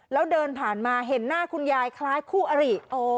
แล้วเดินผ่านมาเห็นหน้าคุณยายคล้ายคู่อริ